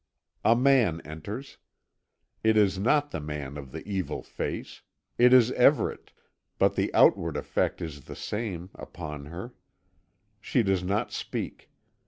A man enters. It is not the man of the evil face. It is Everet; but the outward effect is the same, upon her. She does not speak.